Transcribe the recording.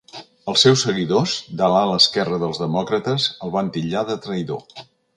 Els seus seguidors, de l’ala esquerra dels demòcrates, el van titllar de traïdor.